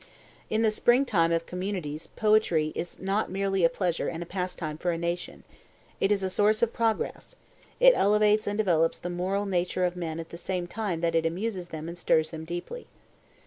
In the springtide of communities poetry is not merely a pleasure and a pastime for a nation; it is a source of progress; it elevates and develops the moral nature of men at the same time that it amuses them and stirs them deeply.